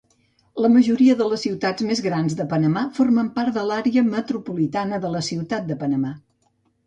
La majoria de les ciutats més grans de Panamà formen part de l'àrea metropolitana de la ciutat de Panamà.